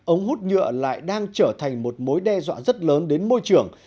ống hút nhựa lại đang trở thành một mối đe dọa rất lớn đến môi trường